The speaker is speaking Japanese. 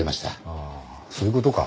ああそういう事か。